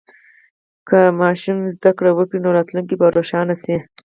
که ماشوم زده کړه وکړي، نو راتلونکی به روښانه شي.